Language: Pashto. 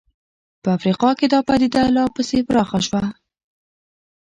په افریقا کې دا پدیده لا پسې پراخه شوه.